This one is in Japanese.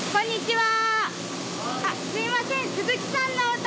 はい。